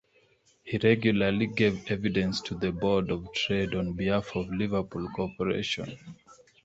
He regularly gave evidence to the Board of Trade on behalf of Liverpool Corporation.